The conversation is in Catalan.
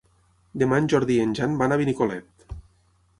Demà en Jordi i en Jan van a Benicolet.